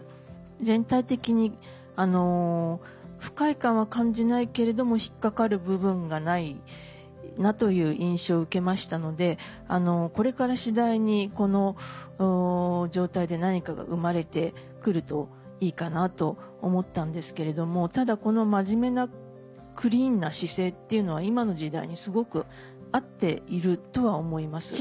全体的に不快感は感じないけれども引っかかる部分がないなという印象を受けましたのでこれから次第にこの状態で何かが生まれてくるといいかなと思ったんですけれどもただこの真面目なクリーンな姿勢っていうのは今の時代にすごく合っているとは思います。